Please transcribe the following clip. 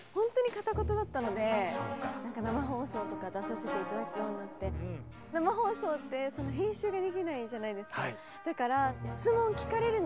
生放送とか出させて頂くようになって生放送って編集ができないじゃないですか。